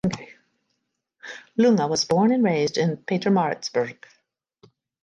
Lunga was born and raised in Pietermaritzburg.